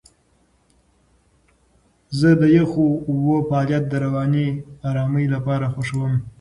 زه د یخو اوبو فعالیت د رواني آرامۍ لپاره خوښوم.